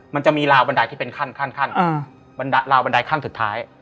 มันจะมีราวบันไดขั้นบันไดคั้นสุดท้าย